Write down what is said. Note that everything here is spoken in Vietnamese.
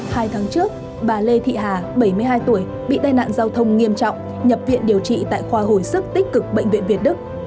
hai tháng trước bà lê thị hà bảy mươi hai tuổi bị tai nạn giao thông nghiêm trọng nhập viện điều trị tại khoa hồi sức tích cực bệnh viện việt đức